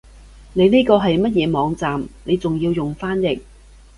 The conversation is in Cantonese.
你呢個係乜嘢網站你仲要用翻譯